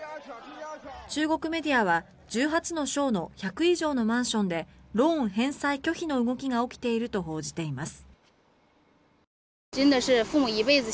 中国メディアは１８の省の１００以上のマンションでローン返済拒否の動きが起きていると報じています。